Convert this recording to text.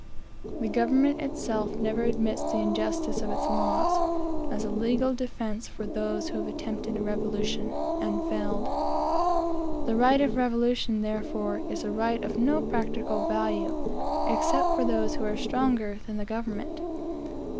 The government itself never admits the injustice of its laws, as a legal defence for those who have attempted a revolution, and failed. The right of revolution, therefore, is right of no practical value, except for those who are stronger than the government.